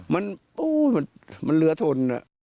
มันเรือทน